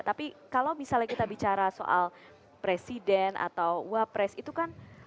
tapi kalau misalnya kita bicara soal presiden atau wapres itu kan